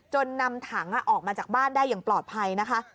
นำถังออกมาจากบ้านได้อย่างปลอดภัยนะคะ